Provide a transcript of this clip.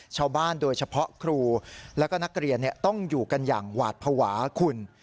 ชาวบ้านโดยเฉพาะครูแล้วก็นักเรียนต้องอยู่กันอย่างหวาดภาวะคุณ